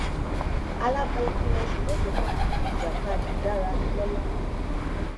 Aláboyún oṣù mẹ́jọ kan ti fi ìjàkadi dára ní lọ́lá.